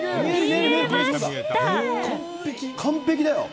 完璧だよ。